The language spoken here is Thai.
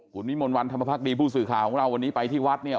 คุณวิมลวันธรรมภักดีผู้สื่อข่าวของเราวันนี้ไปที่วัดเนี่ย